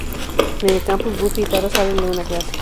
En el campus, Buffy y Tara salen de una clase.